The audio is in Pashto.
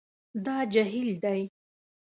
دا جهیل دی